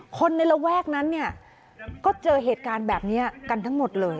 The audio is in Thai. คนในระแวกนั้นเนี่ยก็เจอเหตุการณ์แบบนี้กันทั้งหมดเลย